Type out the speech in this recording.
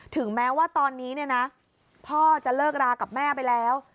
ถึงแม้ว่าตอนนี้เนี่ยนะพ่อจะเลิกรากับแม่ไปแล้ว